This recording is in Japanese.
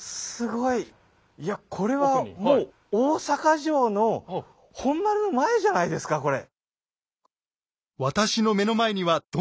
いやこれはもう大坂城の本丸の前じゃないですかこれ。